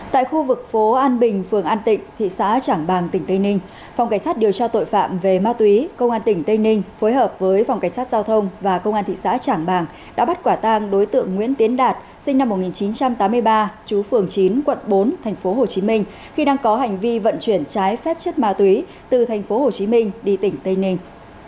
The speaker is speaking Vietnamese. tại khu vực phố an bình phường an tịnh thị xã trảng bàng tỉnh tây ninh phòng cảnh sát điều tra tội phạm về ma túy công an tỉnh tây ninh phối hợp với phòng cảnh sát giao thông và công an thị xã trảng bàng đã bắt quả tàng đối tượng nguyễn tiến đạt sinh năm một nghìn chín trăm tám mươi ba chú phường chín quận bốn tp hcm khi đang có hành vi vận chuyển trái phép chất ma túy từ tp hcm đi tỉnh tây ninh